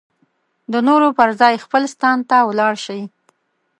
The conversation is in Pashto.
د نورو پر ځای خپل ستان ته ولاړ شي.